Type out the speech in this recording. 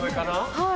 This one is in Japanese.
はい。